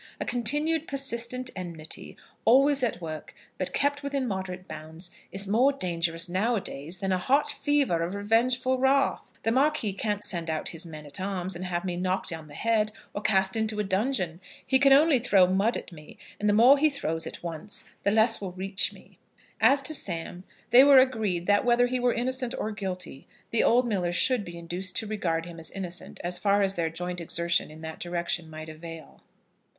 A continued persistent enmity, always at work, but kept within moderate bounds, is more dangerous now a days, than a hot fever of revengeful wrath. The Marquis can't send out his men at arms and have me knocked on the head, or cast into a dungeon. He can only throw mud at me, and the more he throws at once, the less will reach me." As to Sam, they were agreed that, whether he were innocent or guilty, the old miller should be induced to regard him as innocent, as far as their joint exertion in that direction might avail.